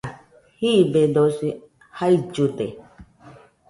Jiibedosi jaillude